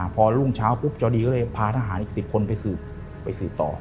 พอรุ่งเช้าจอดีก็เลยพาทหารอีก๑๐คนไปสืบไปสืบต่อ